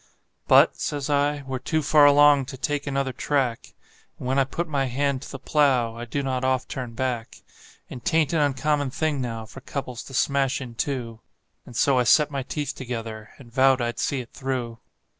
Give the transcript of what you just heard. "But," says I, "we're too far along to take another track, And when I put my hand to the plow I do not oft turn back; And 'tain't an uncommon thing now for couples to smash in two;" And so I set my teeth together, and vowed I'd see it through.